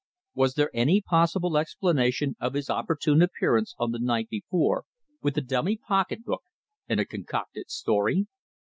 Was there any possible explanation of his opportune appearance on the night before with a dummy pocketbook and a concocted story?